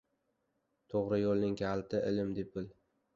— To‘g‘ri yo‘lning kalitini ilm deb bil.